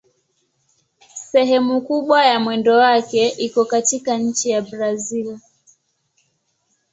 Sehemu kubwa ya mwendo wake iko katika nchi ya Brazil.